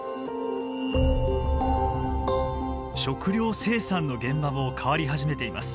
食料生産の現場も変わり始めています。